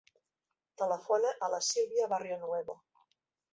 Telefona a la Sílvia Barrionuevo.